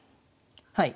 はい。